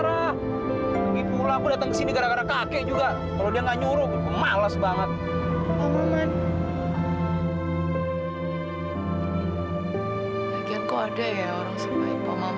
lagian kok ada ya orang sebaik pak maman